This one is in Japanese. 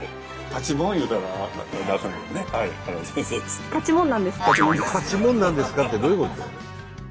「パチモンなんですか？」ってどういうこと？